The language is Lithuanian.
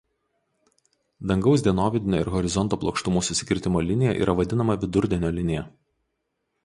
Dangaus dienovidinio ir horizonto plokštumų susikirtimo linija yra vadinama vidurdienio linija.